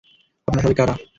আপনারা সবাই কারা?